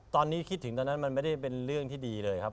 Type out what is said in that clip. ตอนนี้คิดถึงตอนนั้นมันไม่ได้เป็นเรื่องที่ดีเลยครับ